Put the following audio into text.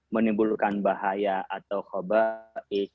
menimbulkan bahaya atau khobar